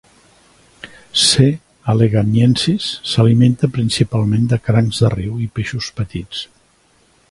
"C. alleganiensis" s'alimenta principalment de crancs de riu i peixos petits.